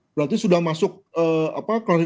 berarti sudah masuk klarifikasi